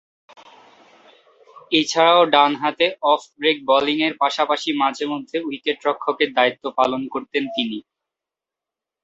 এছাড়াও ডানহাতে off break বোলিংয়ের পাশাপাশি মাঝে-মধ্যে উইকেট-রক্ষকের দায়িত্ব পালন করতেন তিনি।